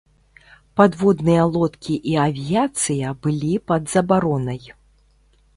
Падводныя лодкі і авіяцыя былі пад забаронай.